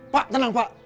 pak tenang pak